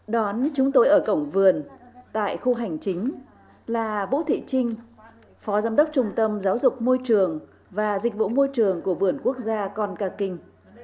đón chúng tôi ở cổng vườn tại khu hành chính là vũ thị trinh phó giám đốc trung tâm giáo dục môi trường và dịch vụ môi trường của vườn quốc gia con ca kinh